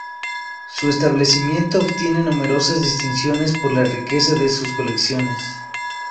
Su establecimiento obtiene numerosas distinciones por la riqueza de sus colecciones.